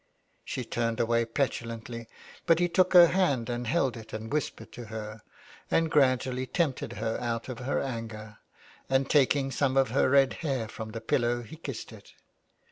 She turned away petulantly, but he took her hand and held it and whispered to her, and gradually tempted her out of her anger, and taking some of her red hair from the pillow he kissed it.